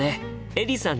エリさん！